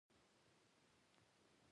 زموږ د غرونو زړه له نعمتونو ډک دی.